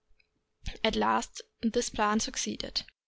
At last this plan succeeded.